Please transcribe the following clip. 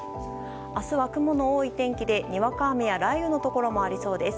明日は雲の多い天気でにわか雨や雷雨のところもありそうです。